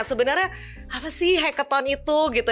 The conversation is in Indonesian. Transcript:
sebenarnya apa sih hacketon itu gitu